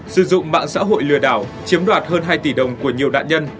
sử dụng mạng xã hội lừa đảo chiếm đoạt hơn hai tỷ đồng của nhiều nạn nhân